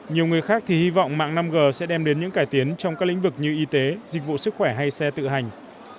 nhiều người khác thì hy vọng mạng năm g sẽ đem đến những cải tiến trong các lĩnh vực như y tế dịch vụ sức khỏe hay xe tự hành